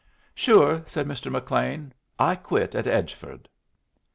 "Sure!" said Mr. McLean. "I quit at Edgeford."